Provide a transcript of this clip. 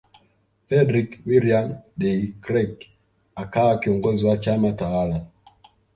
Fredrick Willeum De Krelk akawa kiongozi wa chama tawala